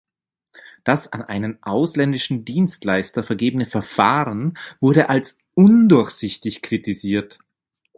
Das an einen ausländischen Dienstleister vergebene Verfahren wurde als undurchsichtig kritisiert.